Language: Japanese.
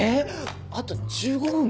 あと１５分も？